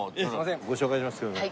ご紹介しますけれども。